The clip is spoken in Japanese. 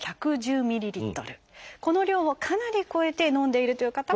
この量をかなり超えて飲んでいるという方は。